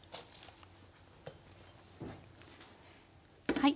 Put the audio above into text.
はい。